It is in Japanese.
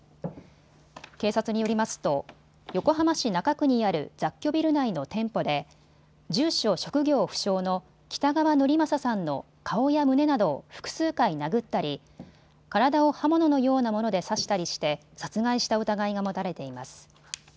警察によりますと横浜市中区にある雑居ビル内の店舗で住所・職業不詳の北川典聖さんの顔や胸などを複数回殴ったり体を刃物のようなもので刺したりして殺害した疑いが持たれています。